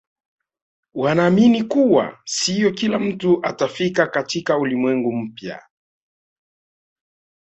wanaamini kuwa siyo kila mtu atafika katika ulimwengu mpya